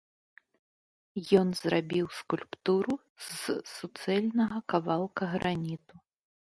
Ён зрабіў скульптуру з суцэльнага кавалка граніту.